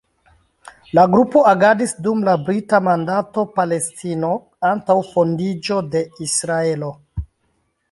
La grupo agadis dum la Brita mandato Palestino, antaŭ fondiĝo de Israelo.